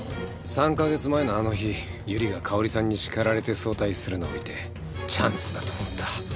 ３カ月前のあの日百合が香織さんに叱られて早退するのを見てチャンスだと思った。